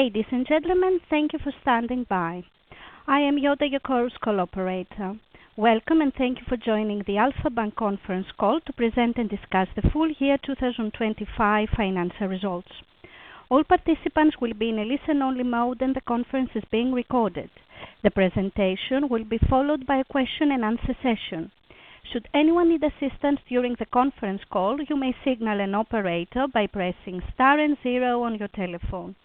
Ladies and gentlemen, thank you for standing by. I am Yoda, your Chorus Call Operator. Welcome. Thank you for joining the Alpha Bank conference call to present and discuss the full year 2025 financial results. All participants will be in a listen-only mode. The conference is being recorded. The presentation will be followed by a question-and-answer session. Should anyone need assistance during the conference call, you may signal an operator by pressing star and zero on your telephone.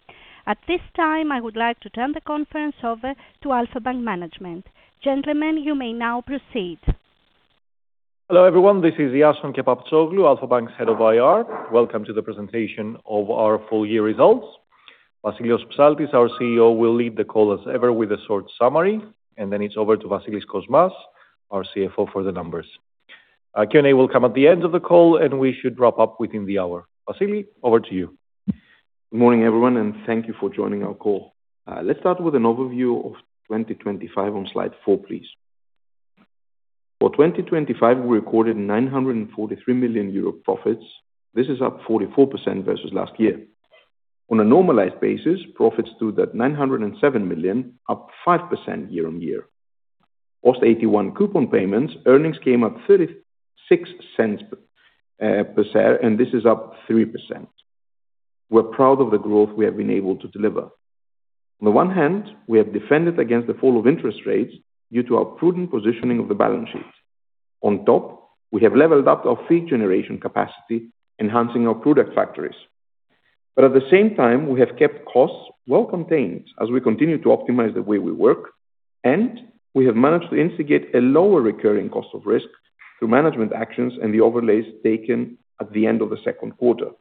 At this time, I would like to turn the conference over to Alpha Bank management. Gentlemen, you may now proceed. Hello, everyone. This is Iason Kepaptsoglou, Alpha Bank's Head of IR. Welcome to the presentation of our full year results. Vassilios Psaltis, our CEO, will lead the call as ever with a short summary. Then it's over to Vasilis Kosmas, our CFO, for the numbers. Q&A will come at the end of the call. We should wrap up within the hour. Vassilis, over to you. Good morning, everyone, and thank you for joining our call. Let's start with an overview of 2025 on slide four, please. For 2025, we recorded 943 million euro profits. This is up 44% versus last year. On a normalized basis, profits stood at 907 million, up 5% year-on-year. Post AT1 coupon payments, earnings came up 0.36 per share, and this is up 3%. We're proud of the growth we have been able to deliver. On the one hand, we have defended against the fall of interest rates due to our prudent positioning of the balance sheets. On top, we have leveled up our fee generation capacity, enhancing our product factories. At the same time, we have kept costs well contained as we continue to optimize the way we work, and we have managed to instigate a lower recurring cost of risk through management actions and the overlays taken at the end of the second quarter.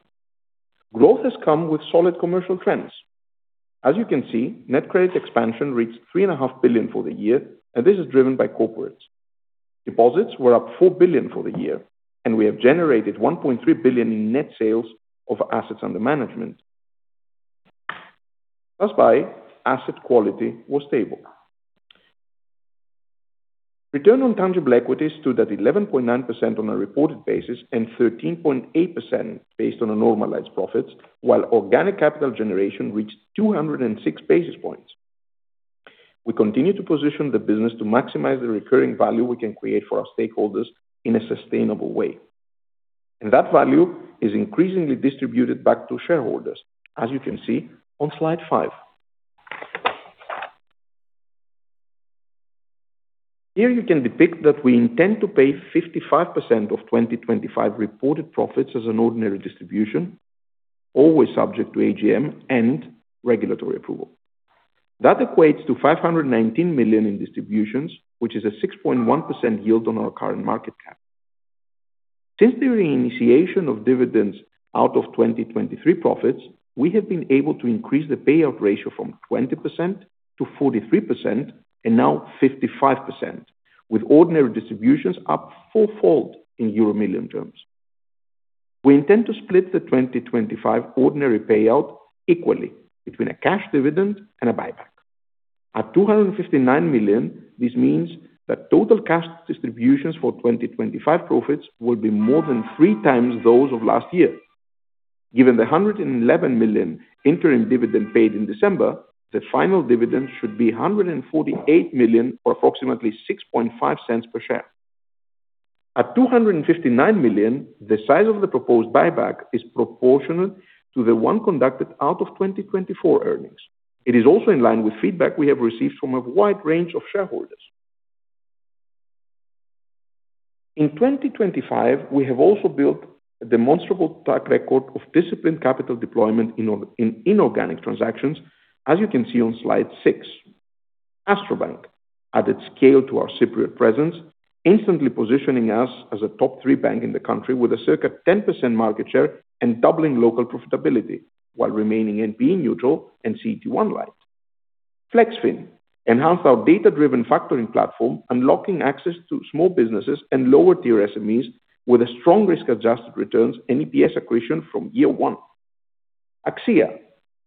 Growth has come with solid commercial trends. As you can see, net credit expansion reached three and a half billion for the year. This is driven by corporates. Deposits were up 4 billion for the year. We have generated 1.3 billion in net sales of assets under management. Asset quality was stable. Return on tangible equity stood at 11.9% on a reported basis and 13.8% based on a normalized profits, while organic capital generation reached 206 basis points. We continue to position the business to maximize the recurring value we can create for our stakeholders in a sustainable way. That value is increasingly distributed back to shareholders, as you can see on slide five. Here you can depict that we intend to pay 55% of 2025 reported profits as an ordinary distribution, always subject to AGM and regulatory approval. That equates to 519 million in distributions, which is a 6.1% yield on our current market cap. Since the reinitiation of dividends out of 2023 profits, we have been able to increase the payout ratio from 20% to 43%, now 55%, with ordinary distributions up fourfold in euro million terms. We intend to split the 2025 ordinary payout equally between a cash dividend and a buyback. At 259 million, this means that total cash distributions for 2025 profits will be more than 3x those of last year. Given the 111 million interim dividend paid in December, the final dividend should be 148 million, or approximately 0.065 per share. At 259 million, the size of the proposed buyback is proportional to the one conducted out of 2024 earnings. It is also in line with feedback we have received from a wide range of shareholders. In 2025, we have also built a demonstrable track record of disciplined capital deployment in inorganic transactions, as you can see on slide 6. AstroBank added scale to our Cypriot presence, instantly positioning us as a top three bank in the country with a circa 10% market share and doubling local profitability while remaining NP neutral and CET1 light. Flexfin enhanced our data-driven factoring platform, unlocking access to small businesses and lower-tier SMEs with a strong risk-adjusted returns and EPS accretion from year one. Axia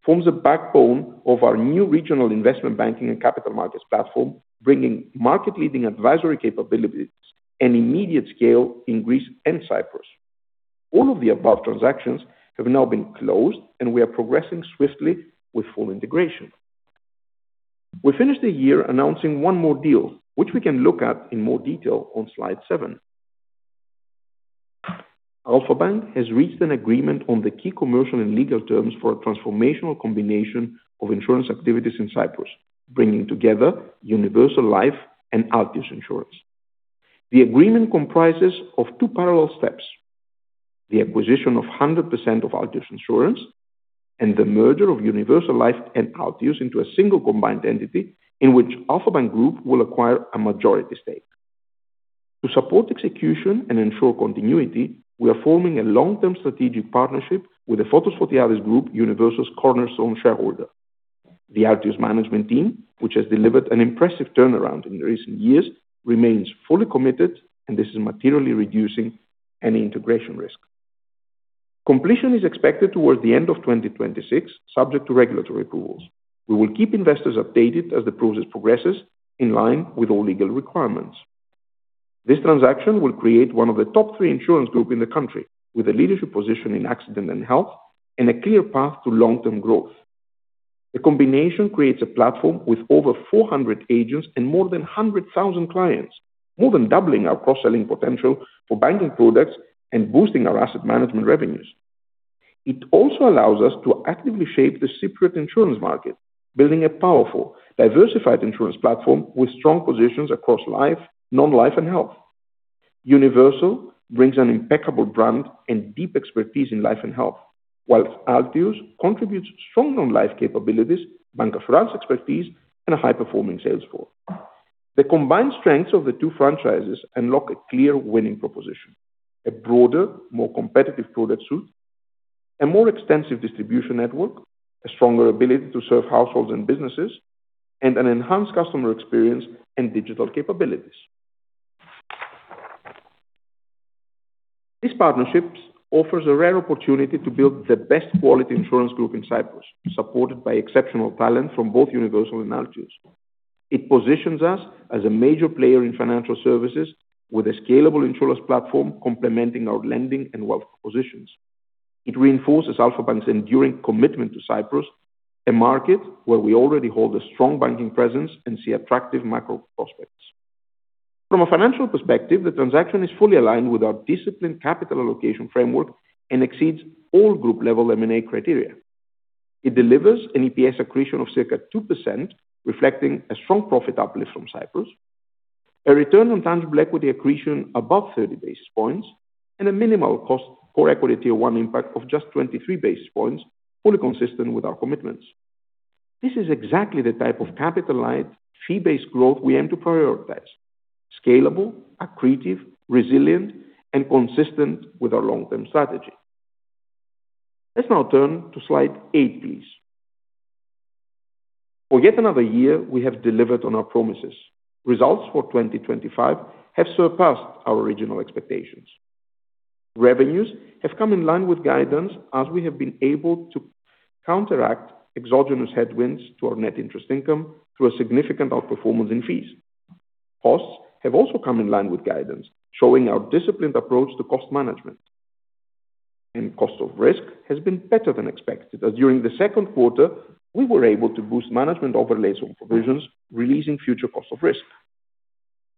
forms the backbone of our new regional investment banking and capital markets platform, bringing market-leading advisory capabilities and immediate scale in Greece and Cyprus. All of the above transactions have now been closed, and we are progressing swiftly with full integration. We finished the year announcing one more deal, which we can look at in more detail on slide seven. Alpha Bank has reached an agreement on the key commercial and legal terms for a transformational combination of insurance activities in Cyprus, bringing together Universal Life and Altius Insurance. The agreement comprises of two parallel steps, the acquisition of 100% of Altius Insurance and the merger of Universal Life and Altius into a single combined entity, in which Alpha Bank Group will acquire a majority stake. To support execution and ensure continuity, we are forming a long-term strategic partnership with the Photos Photiades Group, Universal's cornerstone shareholder. The Altius management team, which has delivered an impressive turnaround in the recent years, remains fully committed, and this is materially reducing any integration risk. Completion is expected towards the end of 2026, subject to regulatory approvals. We will keep investors updated as the process progresses in line with all legal requirements. This transaction will create one of the top three insurance group in the country, with a leadership position in accident and health, and a clear path to long-term growth. The combination creates a platform with over 400 agents and more than 100,000 clients, more than doubling our cross-selling potential for banking products and boosting our asset management revenues. It also allows us to actively shape the Cypriot insurance market, building a powerful, diversified insurance platform with strong positions across life, non-life, and health. Universal brings an impeccable brand and deep expertise in life and health, whilst Altius contributes strong non-life capabilities, bancassurance expertise, and a high-performing sales force. The combined strengths of the two franchises unlock a clear winning proposition, a broader, more competitive product suite, a more extensive distribution network, a stronger ability to serve households and businesses, and an enhanced customer experience and digital capabilities. These partnerships offers a rare opportunity to build the best quality insurance group in Cyprus, supported by exceptional talent from both Universal and Altius. It positions us as a major player in financial services with a scalable insurance platform, complementing our lending and wealth positions. It reinforces Alpha Bank's enduring commitment to Cyprus, a market where we already hold a strong banking presence and see attractive macro prospects. From a financial perspective, the transaction is fully aligned with our disciplined capital allocation framework and exceeds all group level M&A criteria. It delivers an EPS accretion of circa 2%, reflecting a strong profit uplift from Cyprus, a return on tangible equity accretion above 30 basis points, and a minimal cost for equity or AT1 impact of just 23 basis points, fully consistent with our commitments. This is exactly the type of capital light, fee-based growth we aim to prioritize, scalable, accretive, resilient, and consistent with our long-term strategy. Let's now turn to slide 8, please. For yet another year, we have delivered on our promises. Results for 2025 have surpassed our original expectations. Revenues have come in line with guidance as we have been able to counteract exogenous headwinds to our net interest income through a significant outperformance in fees. Costs have also come in line with guidance, showing our disciplined approach to cost management. Cost of risk has been better than expected, as during the second quarter, we were able to boost management overlays on provisions, releasing future cost of risk.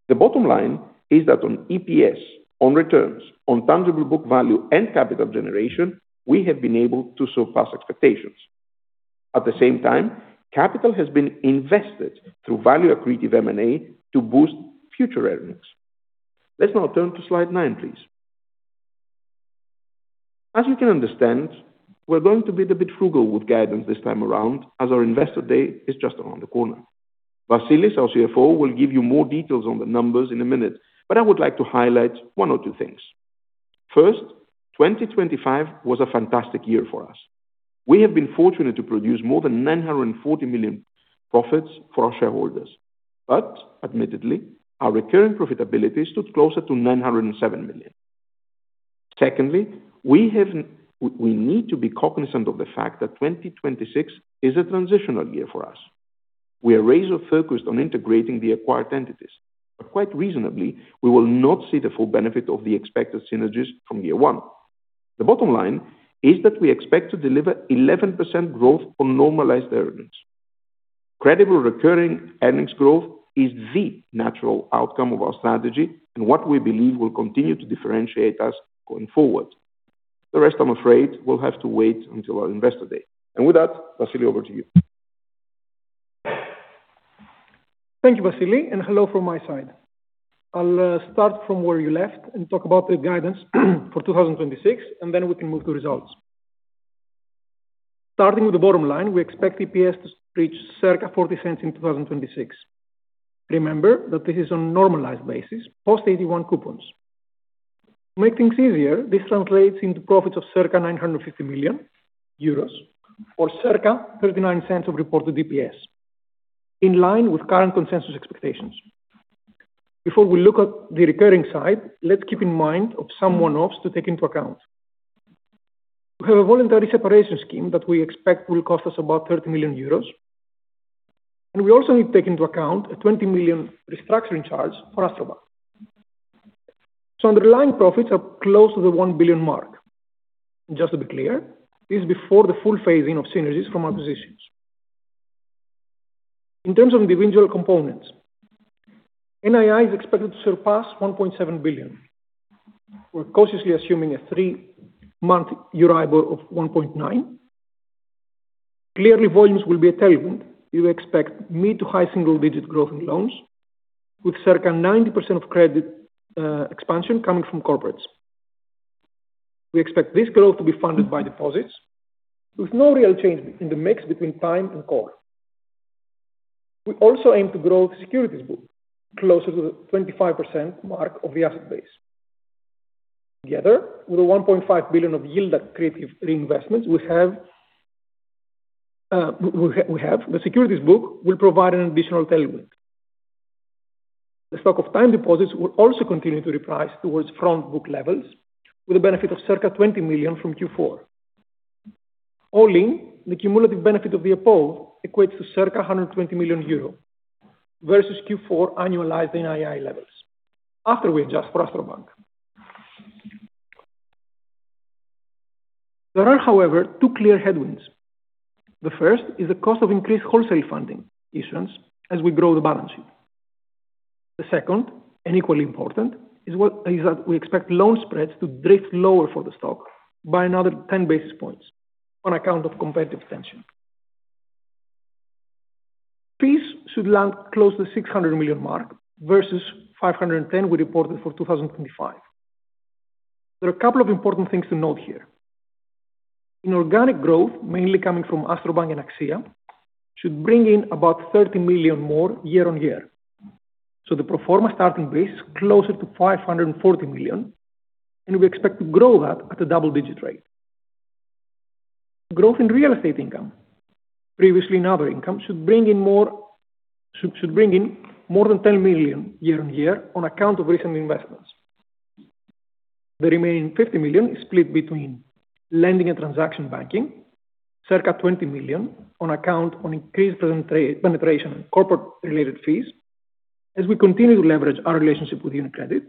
The bottom line is that on EPS, on returns, on tangible book value and capital generation, we have been able to surpass expectations. At the same time, capital has been invested through value accretive M&A to boost future earnings. Let's now turn to slide 9, please. You can understand, we're going to be a bit frugal with guidance this time around, as our investor day is just around the corner. Vasilis, our CFO, will give you more details on the numbers in a minute. I would like to highlight one or two things. First, 2025 was a fantastic year for us. We have been fortunate to produce more than 940 million profits for our shareholders, but admittedly, our recurring profitability stood closer to 907 million. Secondly, we need to be cognizant of the fact that 2026 is a transitional year for us. We are razor-focused on integrating the acquired entities, but quite reasonably, we will not see the full benefit of the expected synergies from year one. The bottom line is that we expect to deliver 11% growth on normalized earnings. Credible recurring earnings growth is the natural outcome of our strategy and what we believe will continue to differentiate us going forward. The rest, I'm afraid, will have to wait until our investor day. With that, Vasilis, over to you. Thank you, Vasilis. Hello from my side. I'll start from where you left and talk about the guidance for 2026. Then we can move to results. Starting with the bottom line, we expect EPS to reach circa 0.40 in 2026. Remember that this is on a normalized basis, post AT1 coupons. To make things easier, this translates into profits of circa 950 million euros or circa 0.39 of reported EPS, in line with current consensus expectations. Before we look at the recurring side, let's keep in mind of some one-offs to take into account. We have a voluntary separation scheme that we expect will cost us about 30 million euros. We also need to take into account a 20 million restructuring charge for AstroBank. Underlying profits are close to the 1 billion mark. Just to be clear, this is before the full phasing of synergies from acquisitions. In terms of individual components, NII is expected to surpass 1.7 billion. We're cautiously assuming a three-month Euribor of 1.9%. Clearly, volumes will be a tailwind. We expect mid-to-high single-digit growth in loans, with circa 90% of credit expansion coming from corporates. We expect this growth to be funded by deposits, with no real change in the mix between time and core. We also aim to grow the securities book closer to the 25% mark of the asset base. Together, with the 1.5 billion of yield at creative reinvestments, we have the securities book will provide an additional tailwind. The stock of time deposits will also continue to reprice towards front book levels, with a benefit of circa 20 million from Q4. All in, the cumulative benefit of the APO equates to circa 120 million euro, versus Q4 annualized NII levels, after we adjust for AstroBank. There are, however, two clear headwinds. The first is the cost of increased wholesale funding issuance as we grow the balance sheet. The second, and equally important, is that we expect loan spreads to drift lower for the stock by another 10 basis points on account of competitive tension. Fees should land close to 600 million mark versus 510 million we reported for 2025. There are a couple of important things to note here. In organic growth, mainly coming from AstroBank and Axia, should bring in about 30 million more year on year. The pro forma starting base is closer to 540 million, and we expect to grow that at a double-digit rate. Growth in real estate income, previously in other income, should bring in more, should bring in more than 10 million year on year on account of recent investments. The remaining 50 million is split between lending and transaction banking, circa 20 million on account on increased penetration and corporate related fees, as we continue to leverage our relationship with UniCredit.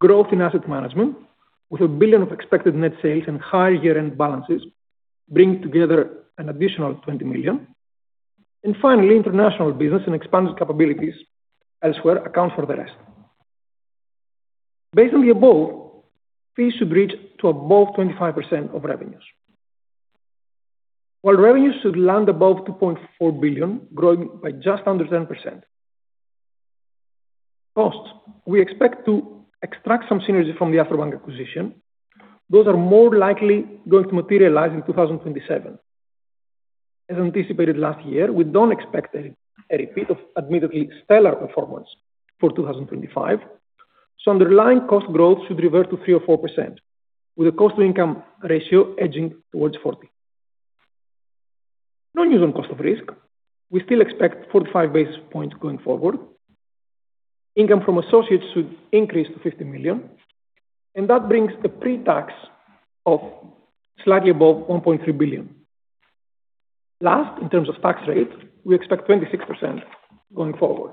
Growth in asset management, with 1 billion of expected net sales and higher year-end balances, bringing together an additional 20 million. Finally, international business and expanded capabilities elsewhere account for the rest. Based on the above, fees should reach to above 25% of revenues. Revenues should land above 2.4 billion, growing by just under 10%. Costs, we expect to extract some synergies from the AstroBank acquisition. Those are more likely going to materialize in 2027. As anticipated last year, we don't expect a repeat of admittedly stellar performance for 2025. Underlying cost growth should revert to 3% or 4%, with a cost-to-income ratio edging towards 40. No news on cost of risk. We still expect 45 basis points going forward. Income from associates should increase to 50 million. That brings the pre-tax of slightly above 1.3 billion. Last, in terms of tax rate, we expect 26% going forward.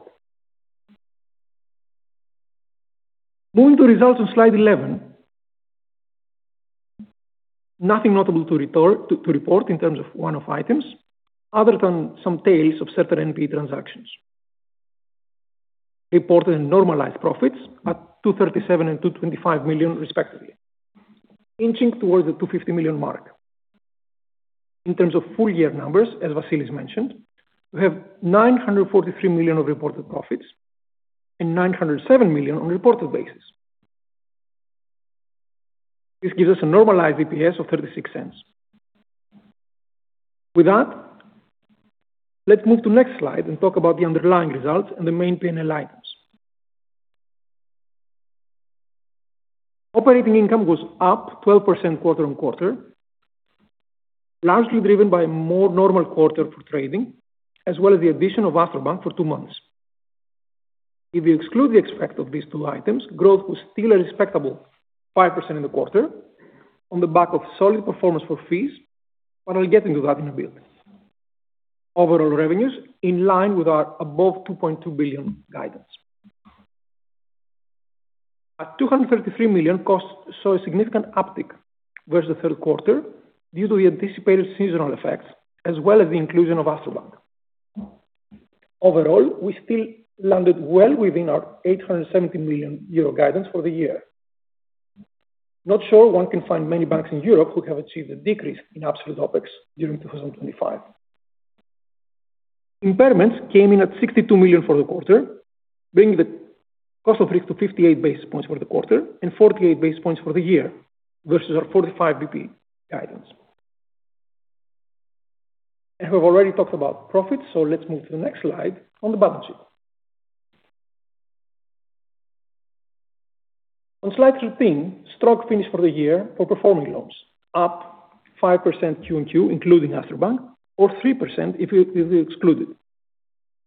Moving to results on slide 11. Nothing notable to report in terms of one-off items, other than some tails of certain NP transactions. Reported normalized profits at 237 million and 225 million respectively, inching towards the 250 million mark. In terms of full year numbers, as Vassilis mentioned, we have 943 million of reported profits and 907 million on reported basis. This gives us a normalized EPS of 0.36. Let's move to next slide and talk about the underlying results and the main P&L items. Operating income was up 12% quarter-on-quarter, largely driven by more normal quarter for trading, as well as the addition of AstroBank for two months. If you exclude the effect of these two items, growth was still a respectable 5% in the quarter on the back of solid performance for fees. I'll get into that in a bit. Overall revenues in line with our above 2.2 billion guidance. At 233 million, costs saw a significant uptick versus the third quarter, due to the anticipated seasonal effects, as well as the inclusion of AstroBank. Overall, we still landed well within our 870 million euro guidance for the year. Not sure one can find many banks in Europe who have achieved a decrease in absolute OpEx during 2025. Impairments came in at 62 million for the quarter, bringing the cost of risk to 58 base points for the quarter and 48 base points for the year, versus our 45 BP guidance. We've already talked about profits, let's move to the next slide on the balance sheet. On slide 13, strong finish for the year for performing loans, up 5% QoQ, including AstroBank, or 3% if you exclude it.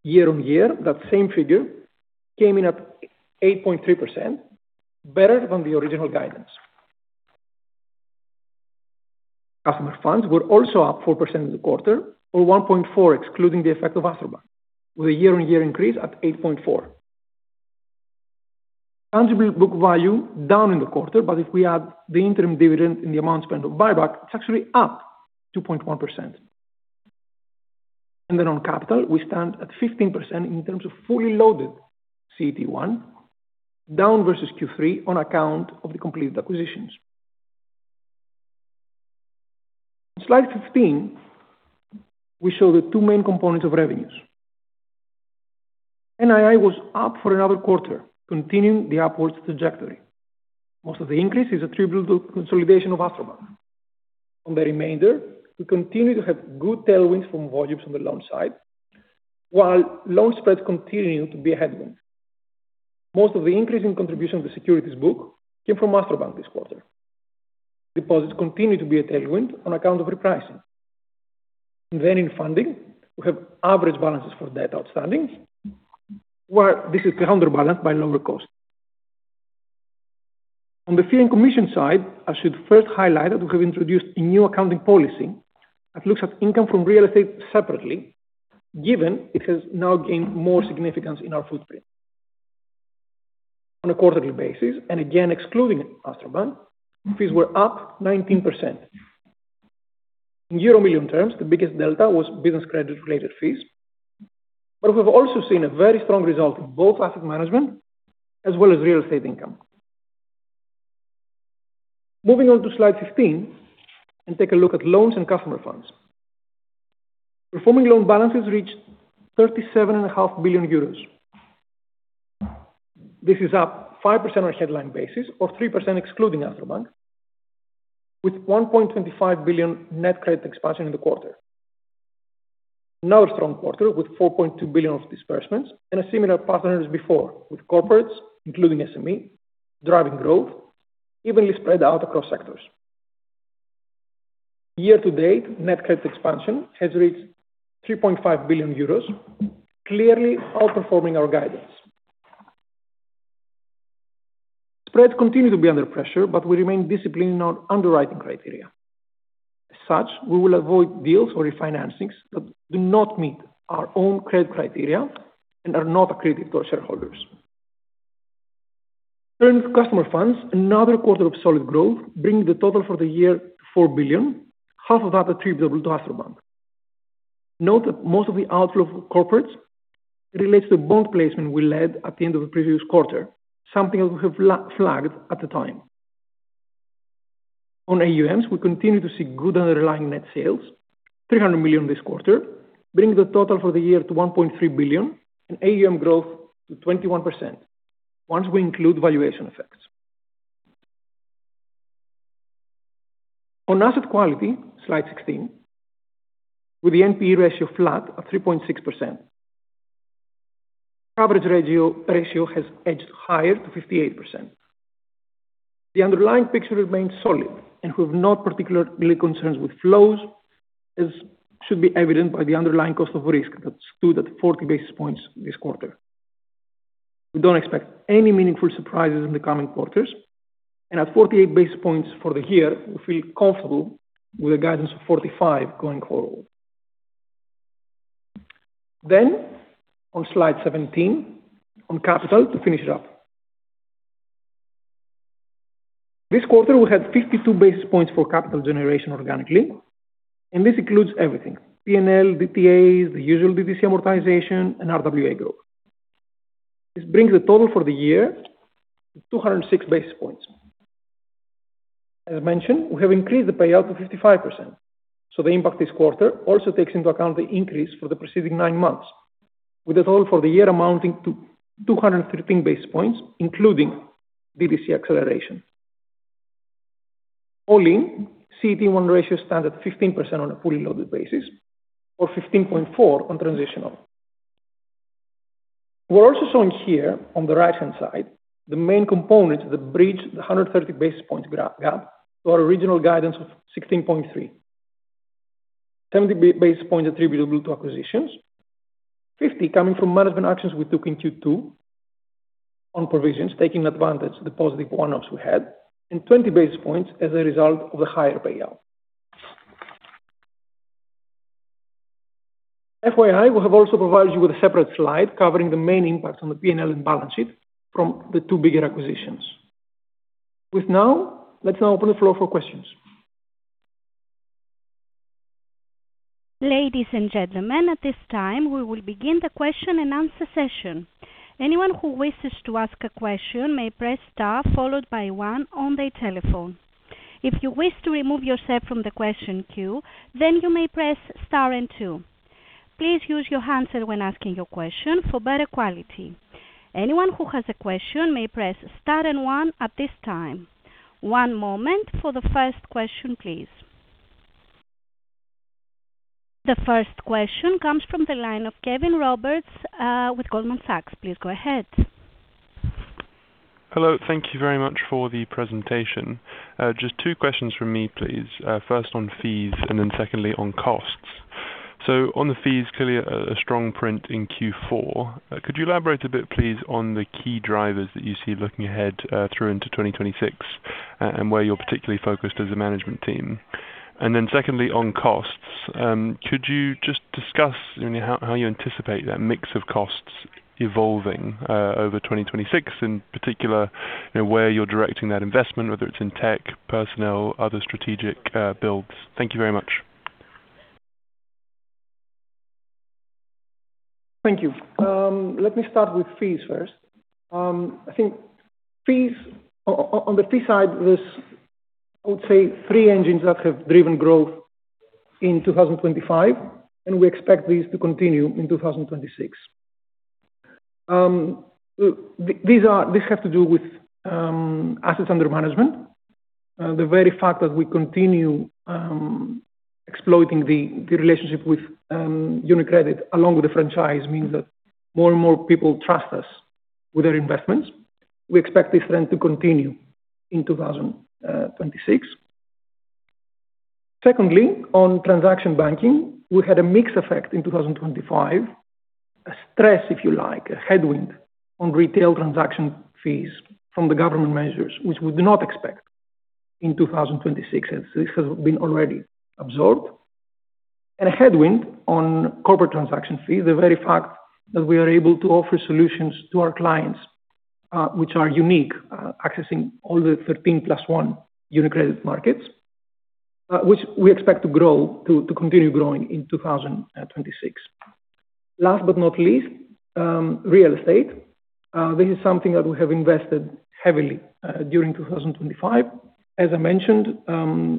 Year-on-year, that same figure came in at 8.3%, better than the original guidance. Customer funds were also up 4% in the quarter, or 1.4%, excluding the effect of AstroBank, with a year-on-year increase at 8.4%. Tangible book value down in the quarter, but if we add the interim dividend and the amount spent on buyback, it's actually up 2.1%. On capital, we stand at 15% in terms of fully loaded CET1, down versus Q3 on account of the completed acquisitions. Slide 15, we show the two main components of revenues. NII was up for another quarter, continuing the upwards trajectory. Most of the increase is attributable to consolidation of AstroBank. On the remainder, we continue to have good tailwinds from volumes on the loan side, while loan spreads continue to be a headwind. Most of the increase in contribution to the securities book came from AstroBank this quarter. Deposits continue to be a tailwind on account of repricing. In funding, we have average balances for debt outstanding, where this is counterbalanced by lower costs. On the fee and commission side, I should first highlight that we have introduced a new accounting policy that looks at income from real estate separately, given it has now gained more significance in our footprint. On a quarterly basis, and again, excluding AstroBank, fees were up 19%. In euro million terms, the biggest delta was business credit-related fees, but we've also seen a very strong result in both asset management as well as real estate income. Moving on to slide 15, and take a look at loans and customer funds. Performing loan balances reached 37.5 billion euros. This is up 5% on a headline basis, or 3% excluding AstroBank, with 1.25 billion net credit expansion in the quarter. Another strong quarter with 4.2 billion of disbursements and a similar pattern as before, with corporates, including SME, driving growth evenly spread out across sectors. Year to date, net credit expansion has reached 3.5 billion euros, clearly outperforming our guidance. Spreads continue to be under pressure, but we remain disciplined in our underwriting criteria. We will avoid deals or refinancings that do not meet our own credit criteria and are not accretive to our shareholders. Earned customer funds, another quarter of solid growth, bringing the total for the year to 4 billion, half of that attributable to AstroBank. Note that most of the outflow of corporates relates to bond placement we led at the end of the previous quarter, something that we have flagged at the time. AUMs, we continue to see good underlying net sales, 300 million this quarter, bringing the total for the year to 1.3 billion and AUM growth to 21% once we include valuation effects. Asset quality, slide 16, with the NPE ratio flat at 3.6%. Coverage ratio has edged higher to 58%. The underlying picture remains solid and we have no particular concerns with flows, as should be evident by the underlying cost of risk that stood at 40 basis points this quarter. We don't expect any meaningful surprises in the coming quarters, and at 48 basis points for the year, we feel comfortable with a guidance of 45 going forward. On slide 17, on capital, to finish it up. This quarter, we had 52 basis points for capital generation organically, and this includes everything, P&L, DTAs, the usual DDC amortization, and RWA growth. This brings the total for the year to 206 basis points. As mentioned, we have increased the payout to 55%. The impact this quarter also takes into account the increase for the preceding nine months, with the total for the year amounting to 213 basis points, including DDC acceleration. All in, CET1 ratio stands at 15% on a fully loaded basis, or 15.4 on transitional. We're also showing here on the right-hand side, the main components that bridge the 130 basis points gap to our original guidance of 16.3. 10 basis points attributable to acquisitions, 50 coming from management actions we took in Q2 on provisions, taking advantage of the positive one-offs we had, and 20 basis points as a result of the higher payout. FYI, we have also provided you with a separate slide covering the main impacts on the P&L and balance sheet from the two bigger acquisitions. Let's now open the floor for questions. Ladies and gentlemen, at this time, we will begin the question and answer session. Anyone who wishes to ask a question may press star, followed by one on their telephone. If you wish to remove yourself from the question queue, you may press star and two. Please use your handset when asking your question for better quality. Anyone who has a question may press star and one at this time. One moment for the first question, please. The first question comes from the line of Caven-Roberts with Goldman Sachs. Please go ahead. Hello. Thank you very much for the presentation. Just two questions from me, please. First on fees, and then secondly, on costs. On the fees, clearly a strong print in Q4. Could you elaborate a bit, please, on the key drivers that you see looking ahead, through into 2026, and where you're particularly focused as a management team? Secondly, on costs, could you just discuss, I mean, how you anticipate that mix of costs evolving over 2026, in particular, where you're directing that investment, whether it's in tech, personnel, other strategic builds? Thank you very much. Thank you. Let me start with fees first. I think fees, on the fee side, there's, I would say, three engines that have driven growth in 2025, and we expect these to continue in 2026. This have to do with Assets Under Management. The very fact that we continue exploiting the relationship with UniCredit, along with the franchise, means that more and more people trust us with their investments. We expect this trend to continue in 2026. Secondly, on transaction banking, we had a mixed effect in 2025. A stress, if you like, a headwind on retail transaction fees from the government measures, which we do not expect in 2026, as this has been already absorbed. A headwind on corporate transaction fees, the very fact that we are able to offer solutions to our clients, which are unique, accessing all the 13+1 UniCredit markets, which we expect to continue growing in 2026. Last but not least, real estate. This is something that we have invested heavily during 2025. As I mentioned,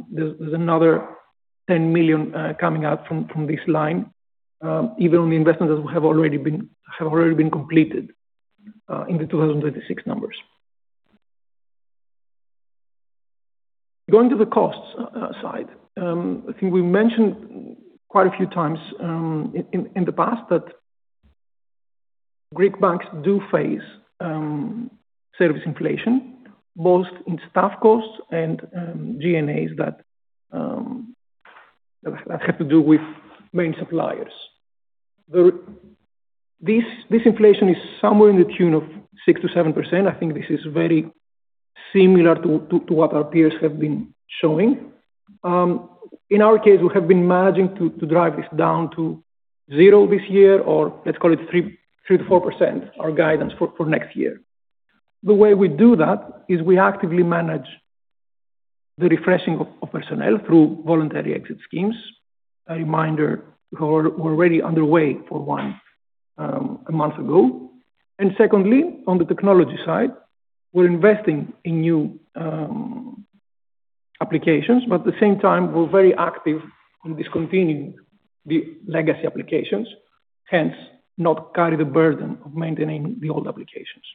there's another 10 million coming out from this line, even on the investments that have already been completed in the 2026 numbers. Going to the costs side. I think we mentioned quite a few times in the past that Greek banks do face service inflation, both in staff costs and G&A that have to do with main suppliers. This inflation is somewhere in the tune of 6%-7%. I think this is very similar to what our peers have been showing. In our case, we have been managing to drive this down to zero this year, or let's call it 3%-4%, our guidance for next year. The way we do that is we actively manage the refreshing of personnel through voluntary exit schemes. A reminder, we're already underway for one a month ago. Secondly, on the technology side, we're investing in new applications, but at the same time, we're very active in discontinuing the legacy applications, hence, not carry the burden of maintaining the old applications.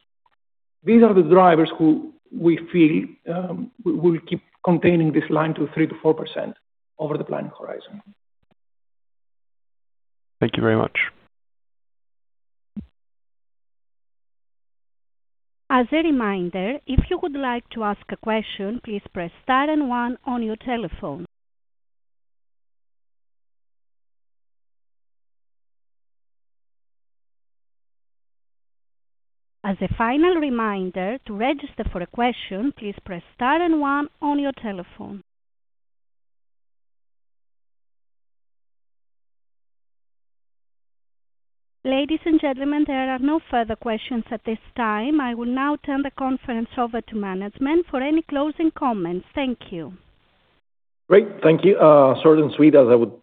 These are the drivers who we feel will keep containing this line to 3%-4% over the planning horizon. Thank you very much. As a reminder, if you would like to ask a question, please press star and one on your telephone. As a final reminder, to register for a question, please press star and one on your telephone. Ladies and gentlemen, there are no further questions at this time. I will now turn the conference over to management for any closing comments. Thank you. Great, thank you. Short and sweet, as I would,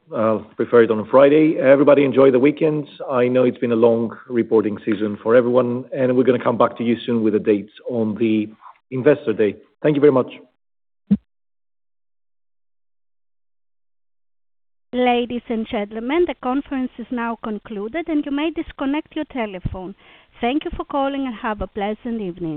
prefer it on a Friday. Everybody, enjoy the weekend. I know it's been a long reporting season for everyone, we're gonna come back to you soon with the dates on the Investor Day. Thank you very much. Ladies and gentlemen, the conference is now concluded, and you may disconnect your telephone. Thank you for calling, and have a pleasant evening.